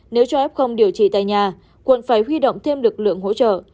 nếu cho f không điều trị tại nhà quận phải huy động thêm lực lượng hỗ trợ